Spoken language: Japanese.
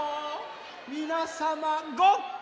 みなさまごっき？